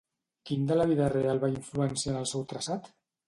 Quin de la vida real va influenciar en el seu traçat?